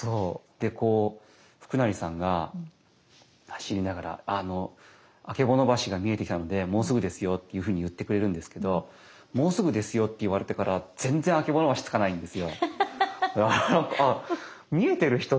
でこう福成さんが走りながら「曙橋が見えてきたのでもうすぐですよ」っていうふうに言ってくれるんですけど「もうすぐですよ」って言われてから全然曙橋着かないんですよ。